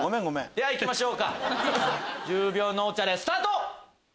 ではいきましょうか１０秒脳チャレスタート！